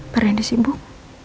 pak rendy sibuk